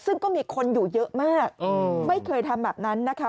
ซึ่งก็มีคนอยู่เยอะมากไม่เคยทำแบบนั้นนะคะ